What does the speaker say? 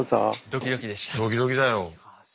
ドキドキだよ。